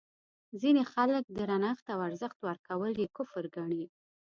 ځینې خلک درنښت او ارزښت ورکول یې کفر ګڼي.